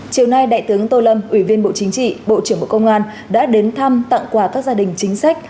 chiều nay đại tướng tô lâm ủy viên bộ chính trị bộ trưởng bộ công an đã đến thăm tặng quà các gia đình chính sách